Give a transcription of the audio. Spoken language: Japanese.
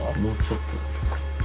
もうちょっと。